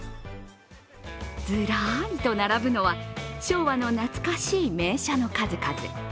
ずらりと並ぶのは昭和の懐かしい名車の数々。